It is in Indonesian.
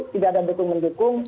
tidak ada dukung mendukung